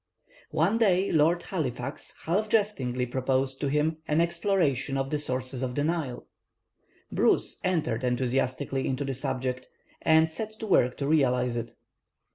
One day Lord Halifax half jestingly proposed to him an exploration of the sources of the Nile. Bruce entered enthusiastically into the subject, and set to work to realize it.